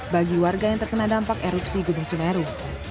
bagi warga yang terkena dampak erupsi gunung semeru